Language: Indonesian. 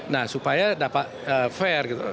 nah supaya dapat fair gitu